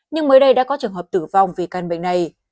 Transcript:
nhưng mới đây đã có trường hợp tử vong vì căn bệnh này